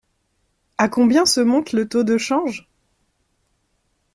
À combien se monte le taux de change ?